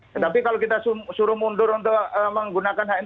tetapi kalau kita suruh mundur untuk menggunakan perjuangan ya kita datang